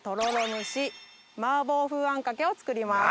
蒸しマーボー風あんかけを作ります。